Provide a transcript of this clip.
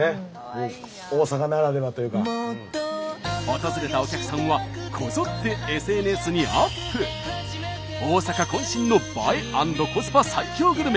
訪れたお客さんはこぞって大阪渾身の映え＆コスパ最強グルメ